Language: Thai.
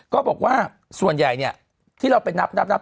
ก็บอกว่าส่วนใหญ่เนี่ยที่เราไปนับ